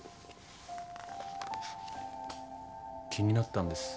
気になったんです。